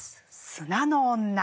「砂の女」。